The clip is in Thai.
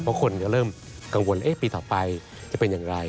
เพราะคนก็เริ่มกังวลปีต่อไปจะเป็นอย่างไร